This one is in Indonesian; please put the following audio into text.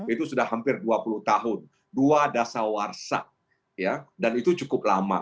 itu sudah hampir dua puluh tahun dua dasar warsa dan itu cukup lama